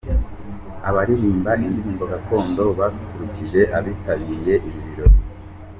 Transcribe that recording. Abaririmba indirimbo gakondo basusurukije abitabiriye ibi birori.